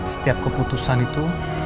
setiap keputusan itu